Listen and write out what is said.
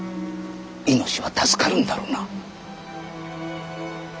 命は助かるんだろうな。